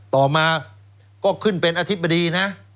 ต่อมาก็ขึ้นเป็นอธิบดีนะ